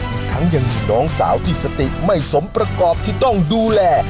อีกทั้งยังมีน้องสาวที่สติไม่สมประกอบที่ต้องดูแล